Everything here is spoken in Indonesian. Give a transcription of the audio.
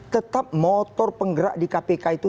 tetap motor penggerak di kpk itu